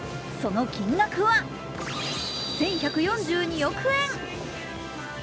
その金額は１１４２億円。